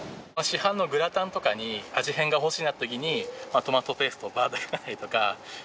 市販のグラタンとかに味変が欲しいなっていう時にトマトペーストをバーッてかけたりとか。